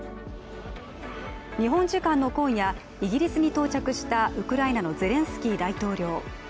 日本時間の今夜、イギリスに到着したウクライナのゼレンスキー大統領。